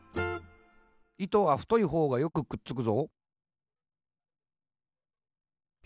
「糸は、太いほうがよくくっつくぞ。」